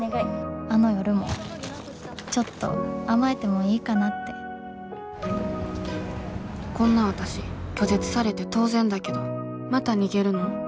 あの夜もちょっと甘えてもいいかなってこんなわたし拒絶されて当然だけどまた逃げるの？